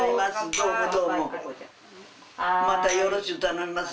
どうもどうもまたよろしゅう頼みます